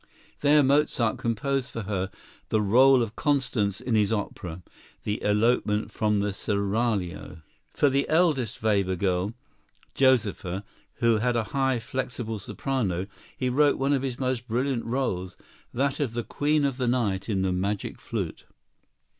There Mozart composed for her the rôle of Constance in his opera, "The Elopement from the Seraglio." For the eldest Weber girl, Josepha, who had a high, flexible soprano, he wrote one of his most brilliant rôles, that of the Queen of the Night in "The Magic Flute."